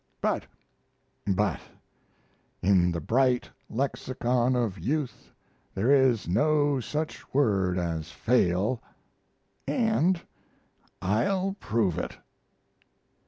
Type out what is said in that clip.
But but In the bright lexicon of youth, There is no such word as Fail and I'll prove it!